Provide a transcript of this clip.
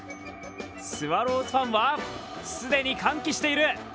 スワローズファンは既に歓喜している。